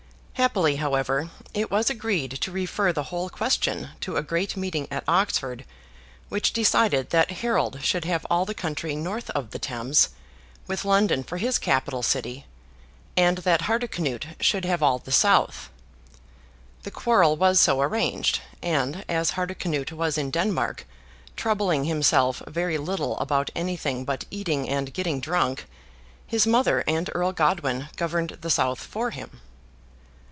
Happily, however, it was agreed to refer the whole question to a great meeting at Oxford, which decided that Harold should have all the country north of the Thames, with London for his capital city, and that Hardicanute should have all the south. The quarrel was so arranged; and, as Hardicanute was in Denmark troubling himself very little about anything but eating and getting drunk, his mother and Earl Godwin governed the south for him.